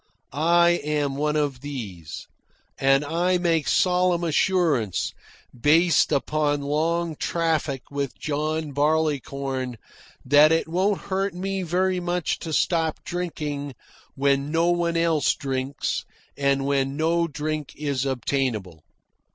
I am one of these, and I make solemn assurance, based upon long traffic with John Barleycorn, that it won't hurt me very much to stop drinking when no one else drinks and when no drink is obtainable.